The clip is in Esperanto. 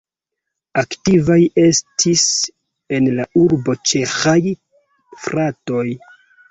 Aktivaj estis en la urbo ĉeĥaj fratoj.